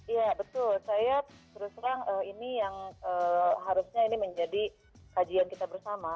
iya betul saya terus terang ini yang harusnya ini menjadi kajian kita bersama